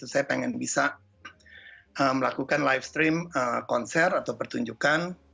saya pengen bisa melakukan live stream konser atau pertunjukan